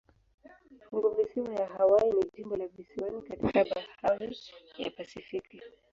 Funguvisiwa ya Hawaii ni jimbo la visiwani katika bahari ya Pasifiki.